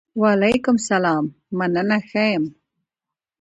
وعلیکم سلام! مننه ښۀ یم.